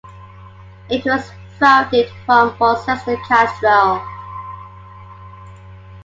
It was founded from Worcester Cathedral.